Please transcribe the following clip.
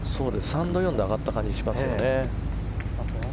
３度、４度上がった感じしますよね。